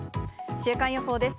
週間予報です。